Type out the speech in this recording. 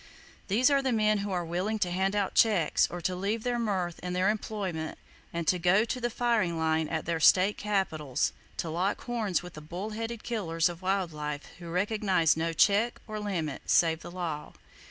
These are the men who are willing to hand out checks, or to leave their mirth and their employment and go to the firing line at their state capitols, to lock horns with the bull headed killers of wild life who recognize no check or limit save the law.